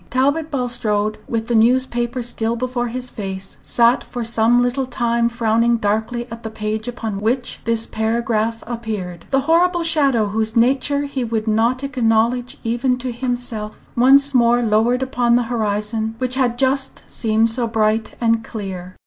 Talbot Bulstrode, with the newspaper still before his face, sat for some little time frowning darkly at the page upon which this paragraph appeared. The horrible shadow, whose nature he would not acknowledge even to himself, once more lowered upon the horizon which had just seemed so bright and clear.